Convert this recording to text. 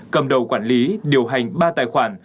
cầm đầu quản lý điều hành ba tài khoản